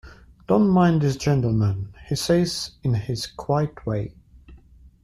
"Don't mind this gentleman," he says in his quiet way.